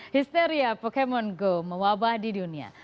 histeria pokemon go mewabah di dunia